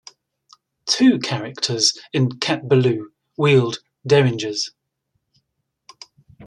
Two characters in "Cat Ballou" wield derringers.